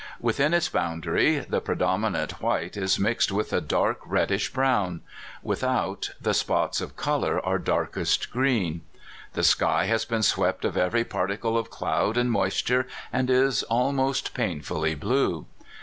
With in its boundary, the predominant white is mixed with a dark, reddish brown; without, the spots of color are darkest green. The sky has been swept of every particle of cloud and moisture, and is al most painfully blue.